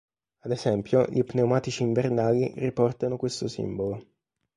Ad esempio gli pneumatici invernali riportano questo simbolo.